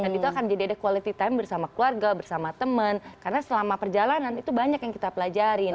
dan itu akan jadi quality time bersama keluarga bersama temen karena selama perjalanan itu banyak yang kita pelajarin